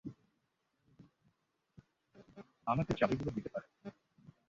আমাকে চাবিগুলো দিতে পারেন?